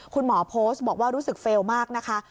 คุณหมอโพสต์บอกว่ารู้สึกเฟลล์มากนะคะ